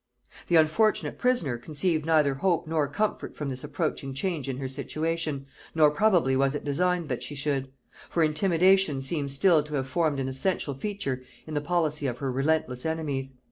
The unfortunate prisoner conceived neither hope nor comfort from this approaching change in her situation, nor probably was it designed that she should; for intimidation seems still to have formed an essential feature in the policy of her relentless enemies.